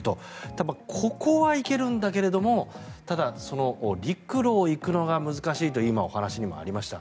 ただ、ここは行けるんだけどもただ、陸路を行くのが難しいと今、お話にもありました。